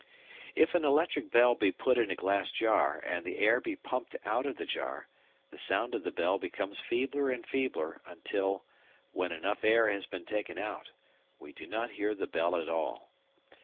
If an electric bell be put in a glass jar and the air be pumped out of the jar, the sound of the bell becomes feebler and feebler until, when enough air has been taken out, we do not hear the bell at all.